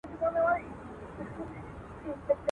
د پېغلوټو تر پاپیو به شم لاندي.